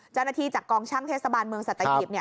เจ้าหน้าที่จากกองช่างเทศบาลเมืองสัตยีบเนี่ย